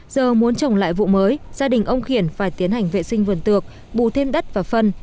giờ muốn trồng lại vụ mới gia đình ông kiển phải tiến hành vệ sinh vườn tược bù thêm đất và phân